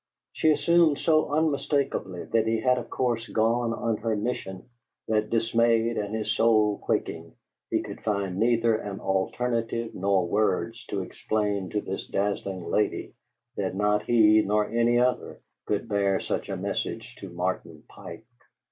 She assumed so unmistakably that he had of course gone on her mission that, dismayed and his soul quaking, he could find neither an alternative nor words to explain to this dazzling lady that not he nor any other could bear such a message to Martin Pike.